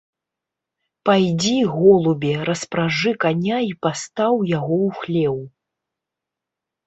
Пайдзі, голубе, распражы каня і пастаў яго ў хлеў.